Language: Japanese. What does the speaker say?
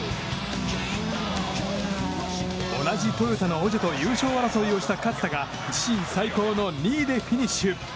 同じトヨタのオジェと優勝争いをした勝田が自身最高の２位でフィニッシュ。